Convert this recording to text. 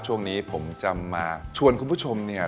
ช่วงนี้ผมจะมาชวนคุณผู้ชมเนี่ย